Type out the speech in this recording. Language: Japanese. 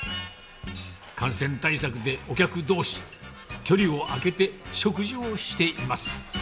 感染対策でお客どうし、距離を空けて食事をしています。